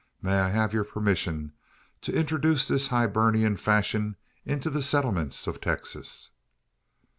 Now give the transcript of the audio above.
May I have your permission to introduce this Hibernian fashion into the settlements of Texas?"